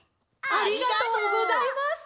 ありがとうございます。